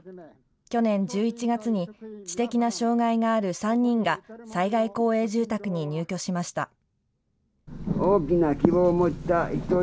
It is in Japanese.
去年１１月に、知的な障害のある３人が、災害公営住宅に入居しました。